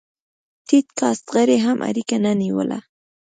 ټيټ کاست غړي هم اړیکه نه نیوله.